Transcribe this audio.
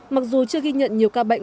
mặc dù chưa ghi nhận nhiều ca bệnh